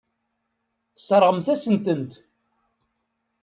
Tesseṛɣemt-asent-tent.